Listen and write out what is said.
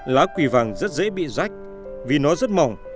lá quỳ vàng rất dễ bị rách vì nó rất mỏng